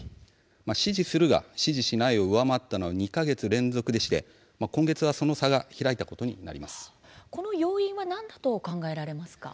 支持するが支持しないを上回ったのは２か月連続でして今月は、その差が開いたことにこの要因は何だと考えられますか。